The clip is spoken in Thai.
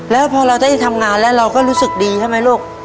แล้วพอเราได้ทำงานแล้วเราก็รู้สึกดีใช่ไหมลูก